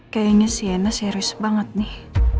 kayaknya sienna serius banget nih